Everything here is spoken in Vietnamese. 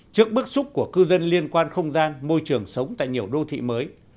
trước bức xúc của cư dân liên quan không gian môi trường sống tại nhiều đô thị mới